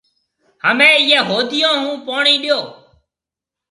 همَي اِيئي هوديون هون پوڻِي ڏيو۔